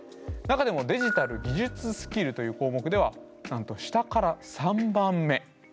中でも「デジタル・技術スキル」という項目ではなんと下から３番目。